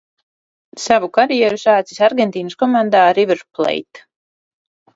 "Savu karjeru sācis Argentīnas komandā "River Plate"."